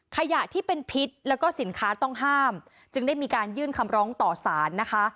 ขยะที่เป็นพิษแล้วก็สินค้าต้องห้ามจึงได้มีการยื่นคำร้องต่อสารนะคะ